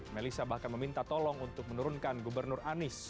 melissa bahkan meminta tolong untuk menurunkan gubernur anies